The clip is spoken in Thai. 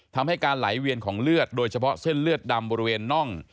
ทำให้การไหลเวียนของเลือดโดยเฉพาะเส้นเลือดดำบริเวณน่อง